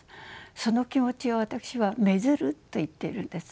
その気持ちを私は「愛づる」と言っているんです。